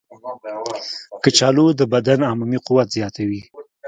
کچالو د بدن عمومي قوت زیاتوي.